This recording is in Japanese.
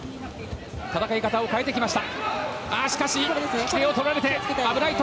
戦い方を変えてきました。